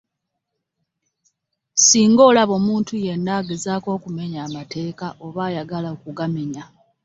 Singa olaba omuntu yenna agezaako okumenya amateeka oba ayagala okugamenya.